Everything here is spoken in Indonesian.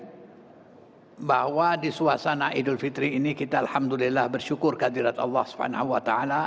dan bahwa di suasana idul fitri ini kita alhamdulillah bersyukur kadirat allah swt